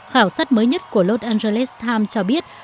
khảo sát mới nhất của los angeles times cho biết